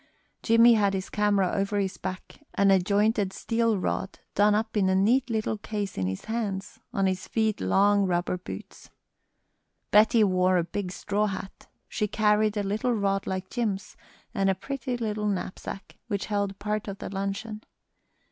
Jimmie had his camera over his back and a jointed steel rod done up in a neat little case in his hands, on his feet long rubber boots. Betty wore a big straw hat; she carried a little rod like Jim's and a pretty little knapsack, which held part of the luncheon.